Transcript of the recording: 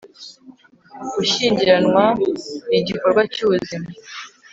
gushyingiranwa ni igikorwa cy'ubuzima